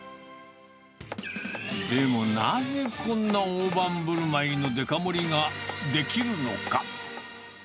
でもなぜ、こんな大盤ぶるまいのデカ盛りができるのか。